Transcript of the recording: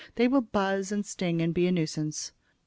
They will buzz and sting and be a nuisance.